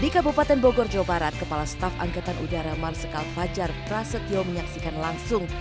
di kabupaten bogor jawa barat kepala staf angkatan udara marsikal fajar prasetyo menyaksikan langsung